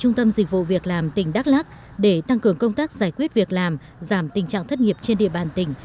trung tâm dịch vụ việc làm tỉnh đắk lắc để tăng cường công tác giải quyết việc làm giảm tình trạng thất nghiệp trên địa bàn tỉnh